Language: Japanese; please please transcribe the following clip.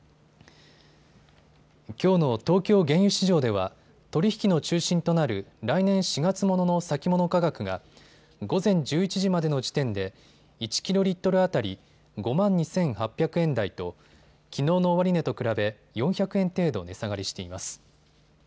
きょうの東京原油市場では取り引きの中心となる来年４月ものの先物価格が午前１１時までの時点で１キロリットル当たり５万２８００円台ときのうの終値と比べ４００円程度値下がりしています。